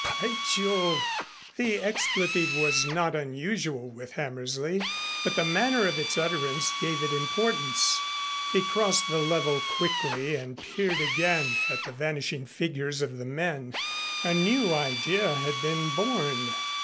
By Jove!" The expletive was not unusual with Hammersley but the manner of its utterance gave it importance. He crossed the level quickly and peered again at the vanishing figures of the men. A new idea had been born.